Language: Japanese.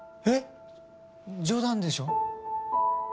えっ冗談でしょ？